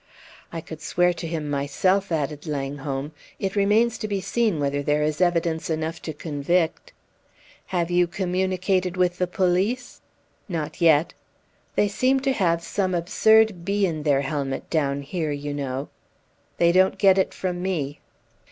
"I could swear to him myself," added Langholm. "It remains to be seen whether there is evidence enough to convict." "Have you communicated with the police?" "Not yet." "They seem to have some absurd bee in their helmet down here, you know." "They don't get it from me."